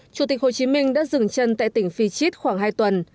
chủ tịch hồ chí minh đã dừng chân tại tỉnh phi chít khoảng hai tuần